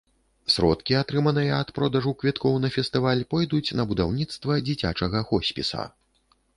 Сродкі, атрыманыя ад продажу квіткоў на фестываль, пойдуць на будаўніцтва дзіцячага хоспіса.